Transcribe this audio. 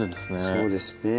そうですね。